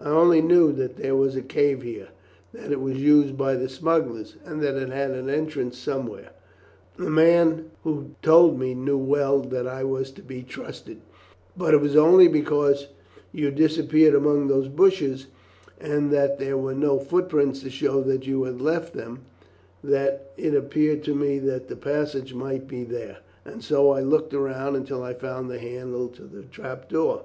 "I only knew that there was a cave here, that it was used by the smugglers, and that it had an entrance somewhere. The man who told me knew well that I was to be trusted, but it was only because you disappeared among those bushes, and that there were no footprints to show that you had left them, that it appeared to me that the passage might be there, and so I looked about until I found the handle to the trap door."